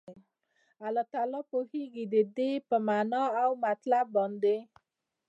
الله تعالی پوهيږي ددي په معنا او مطلب باندي